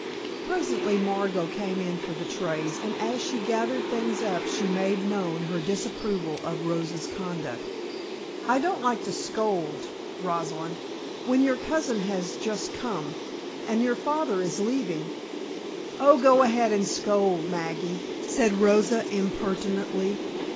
Presently Margot came in for the trays, and as she gathered things up she made known her disapproval of Rosa's conduct. "I don't like to scold, Rosalind, when your cousin has just come, and your father is leaving " "Oh, go ahead and scold, Maggie," said Rosa impertinently.